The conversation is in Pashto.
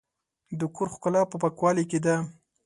د کور ښکلا په پاکوالي کې ده.